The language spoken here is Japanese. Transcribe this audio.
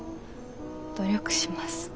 努力します。